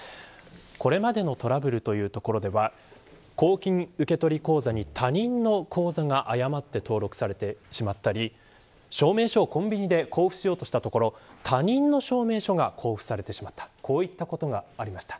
これまでのトラブルというところでは公金受取口座に他人の口座が誤って登録されてしまったり証明書をコンビニで交付しようとしたところ他人の証明書が交付されてしまったということがありました。